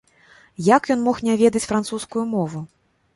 Як ён мог не ведаць французскую мову?